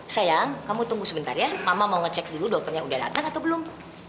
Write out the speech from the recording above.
sayang kamu tunggu sebentar ya mama mau ngecek dulu dokternya udah datang atau belum